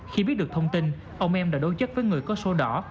khi biết được thông tin ông em đã đối chất với người có sổ đỏ